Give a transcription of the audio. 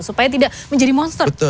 supaya tidak menjadi monster